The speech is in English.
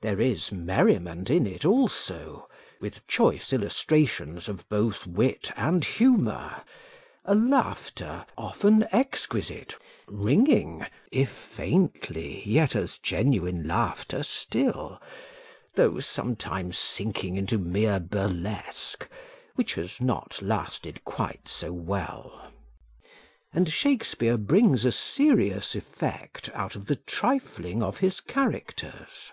There is merriment in it also, with choice illustrations of both wit and humour; a laughter, often exquisite, ringing, if faintly, yet as genuine laughter still, though sometimes sinking into mere burlesque, which has not lasted quite so well. And Shakespeare brings a serious effect out of the trifling of his characters.